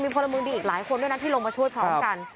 พลเมืองดีอีกหลายคนด้วยนะที่ลงมาช่วยพร้อมกัน